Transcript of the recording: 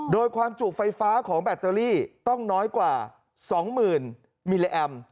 โดยความจุไฟฟ้าของแบตเตอรี่ต้องน้อยกว่า๒๐๐๐มิลลิแอม